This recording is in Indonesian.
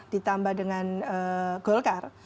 ditambah dengan golkar